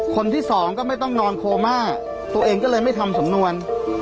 คนที่สองก็ไม่ต้องนอนโคม่าตัวเองก็เลยไม่ทำสำนวน